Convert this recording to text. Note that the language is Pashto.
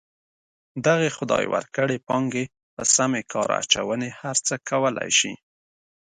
دغې خدای ورکړې پانګې په سمې کار اچونې هر څه کولی شي.